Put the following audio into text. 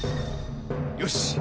よし！